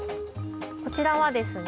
こちらはですね